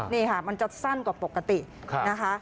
นี่ค่ะมันจะสั้นกว่าปกตินะคะ